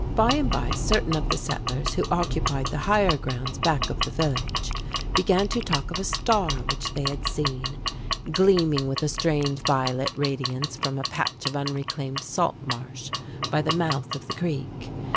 By and by certain of the settlers, who occupied the higher grounds back of the village, began to talk of a star which they had seen, gleaming with a strange violet radiance from a patch of unreclaimed salt marsh by the mouth of the creek.